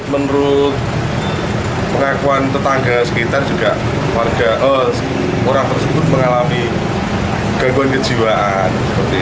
menurut pengakuan tetangga sekitar juga orang tersebut mengalami gangguan kejiwaan